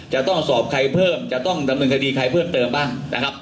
จะต้องสอบใครเพิ่มจะต้องดำเนินคดีใครเพิ่มเติมบ้างนะครับ